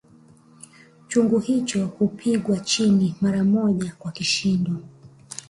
Chungu hicho hupigwa chini mara moja kwa kishindo